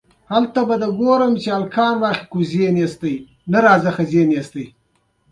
طارق د دې لګښتونو پیسې له خپلو آنلاین صنفونو ترلاسه کوي.